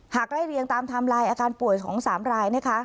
หากไล่เรียงตามทำลายอาการป่วยของ๓รายนะคะ